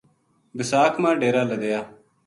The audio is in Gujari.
بِساکھ ما ڈیرا لَدیا